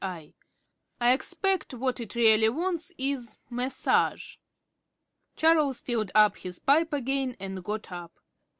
"I expect what it really wants is massage." Charles filled his pipe again and got up.